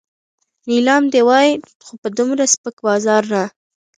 نیلام دې وای خو په دومره سپک بازار نه.